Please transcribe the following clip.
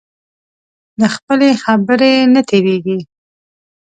له خپلې خبرې نه تېرېږي.